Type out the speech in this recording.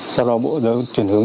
sau đó bộ giá chuyển hướng